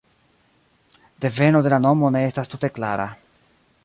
Deveno de la nomo ne estas tute klara.